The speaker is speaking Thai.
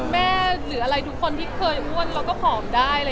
แม่หรืออะไรทุกคนที่เคยอ้านอ้านเราก็หอมได้